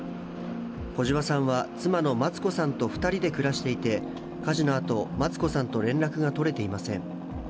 小嶋さんは妻の松子さんと２人で暮らしていて、火事のあと、松子さんと連絡が取れていません。